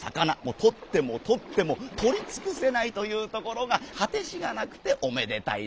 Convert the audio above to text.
とってもとってもとりつくせないというところがはてしがなくておめでたいな」。